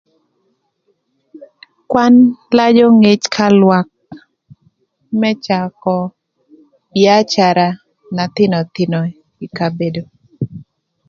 Kwan lajö ngec ka lwak më cakö bïacara na thïnöthïnö ï kabedo.